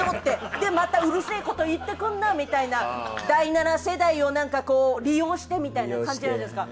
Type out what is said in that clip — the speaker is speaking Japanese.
でまたうるせぇこと言ってくんなみたいな第７世代をなんかこう利用してみたいな感じじゃないですか。